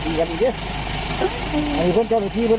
บริษัทให้ลำลูกเว่าะ